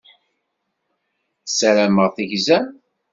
Ssarameɣ tegzam.